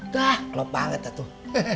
dah klop banget lah tuh